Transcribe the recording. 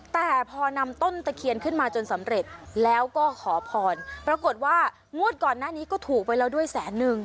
แต่พอนำต้นตะเคียนขึ้นมาจนสำเร็จแล้วก็ขอพรปรากฏว่างวดก่อนหน้านี้ก็ถูกไปแล้วด้วยแสนนึง